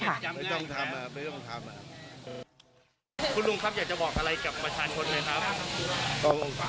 คุณลุงครับอยากจะบอกอะไรกับประชาชนไหมครับ